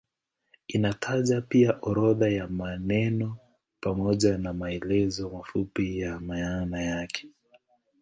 Inataja pia orodha ya maneno pamoja na maelezo mafupi ya maana yake.